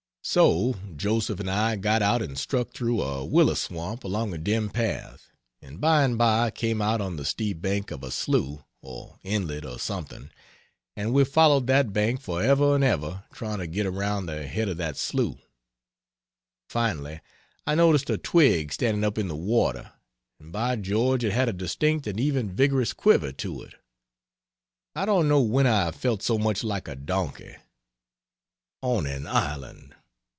So Joseph and I got out and struck through a willow swamp along a dim path, and by and by came out on the steep bank of a slough or inlet or something, and we followed that bank forever and ever trying to get around the head of that slough. Finally I noticed a twig standing up in the water, and by George it had a distinct and even vigorous quiver to it! I don't know when I have felt so much like a donkey. On an island!